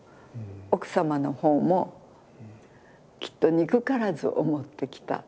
奥様のほうもきっと憎からず思ってきた。